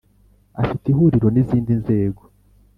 Afite Ihuriro n ‘izindi nzego .